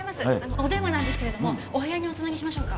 お電話なんですけれどもお部屋にお繋ぎしましょうか？